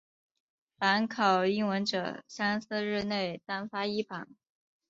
凡考英文者三四日内单发一榜。